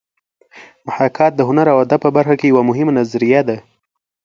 محاکات د هنر او ادب په برخه کې یوه مهمه نظریه ده